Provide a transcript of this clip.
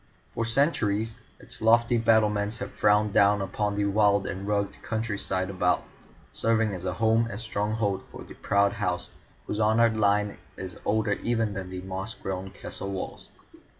For centuries its lofty battlements have frowned down upon the wild and rugged countryside about, serving as a home and stronghold for the proud house whose honoured line is older even than the moss grown castle walls.